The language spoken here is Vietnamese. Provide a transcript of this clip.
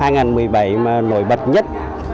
năm hai nghìn một mươi bảy mà nổi bật nhất